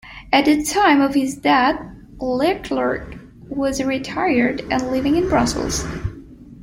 At the time of his death LeClerc was retired, and living in Brussels.